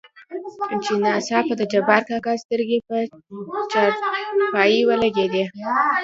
چې ناڅاپه دجبارکاکا سترګې په چارپايي ولګېدې.